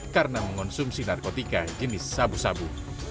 karena mengonsumsi narkotika jenis sabu sabu